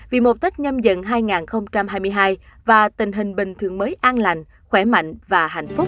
vì mục tích nhâm dận hai nghìn hai mươi hai và tình hình bình thường mới an lành khỏe mạnh và hạnh phúc